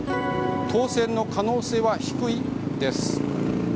当選の可能性は低い？です。